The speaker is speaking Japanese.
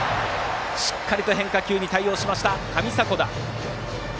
しっかり変化球に対応しました上迫田。